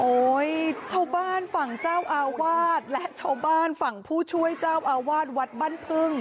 ชาวบ้านฝั่งเจ้าอาวาสและชาวบ้านฝั่งผู้ช่วยเจ้าอาวาสวัดบ้านพึ่ง